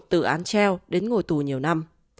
tự án treo đến ngồi tù nhiều năm